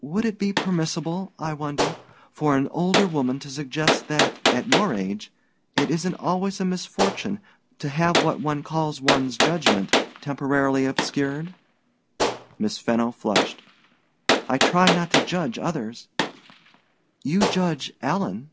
"Would it be permissible, I wonder, for an older woman to suggest that, at your age, it isn't always a misfortune to have what one calls one's judgment temporarily obscured?" Miss Fenno flushed. "I try not to judge others " "You judge Alan."